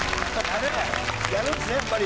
やるんですねやっぱり。